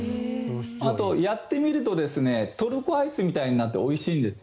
あと、やってみるとトルコアイスみたいになっておいしいんですよ。